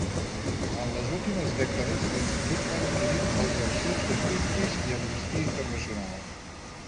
En les últimes dècades l'Institut ha adquirit els arxius de Greenpeace i Amnistia Internacional.